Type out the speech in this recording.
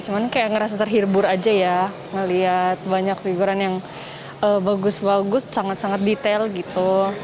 cuman kayak ngerasa terhibur aja ya ngeliat banyak figuran yang bagus bagus sangat sangat detail gitu